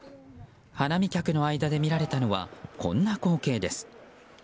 花見客の間で見られたのはこんな光景です。